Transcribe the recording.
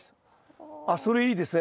それいいですね